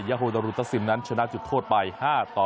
โฮดารุตัสซิมนั้นชนะจุดโทษไป๕ต่อ